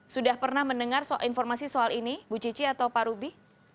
sudah pernah mendengar informasi soal ini bu cici atau pak ruby